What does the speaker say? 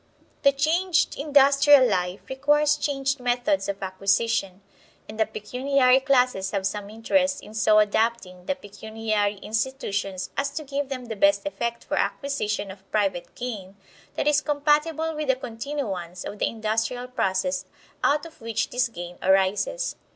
The changed industrial life requires changed methods of acquisition; and the pecuniary classes have some interest in so adapting the pecuniary institutions as to give them the best effect for acquisition of private gain that is compatible with the continuance of the industrial process out of which this gain arises.